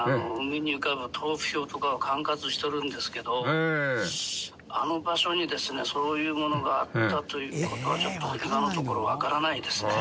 海に浮かぶ灯浮標とかを管轄しとるんですけどあの場所にですねそういうものがあったという事はちょっと今のところわからないですね。